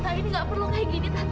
tante ini tidak perlu seperti ini tante